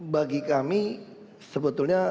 bagi kami sebetulnya